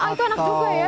itu enak juga ya